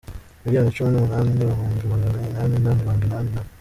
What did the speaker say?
miliyoni cumi n‟umunani n‟ibihumbi magana inani na mirongo inani na